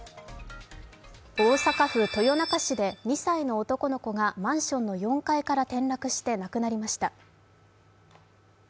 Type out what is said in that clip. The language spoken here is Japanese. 大阪府豊中市で２歳の男の子がマンションの４階から転落して亡くなりました。